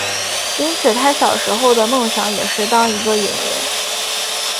因此他小时候的梦想也是想当一个演员。